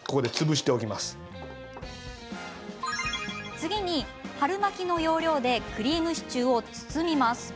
次に、春巻きの要領でクリームシチューを包みます。